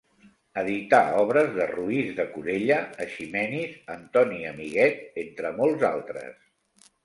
Edità obres de Roís de Corella, Eiximenis, Antoni Amiguet, entre molts altres.